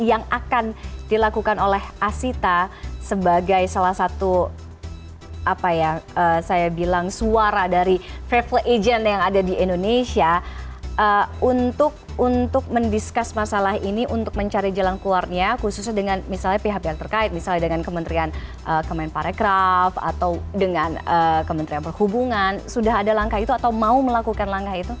apa yang akan dilakukan oleh asita sebagai salah satu apa ya saya bilang suara dari travel agent yang ada di indonesia untuk mendiskus masalah ini untuk mencari jalan keluarnya khususnya dengan misalnya pihak yang terkait misalnya dengan kementerian kementerian pariwakraf atau dengan kementerian perhubungan sudah ada langkah itu atau mau melakukan langkah itu